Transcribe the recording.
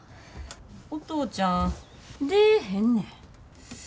お父ちゃん出ぇへんねん。